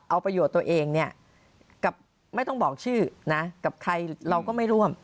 เอาประโยชน์ตัวเองเนี่ยกับไม่ต้องบอกชื่อนะกับใครเราก็ไม่ร่วม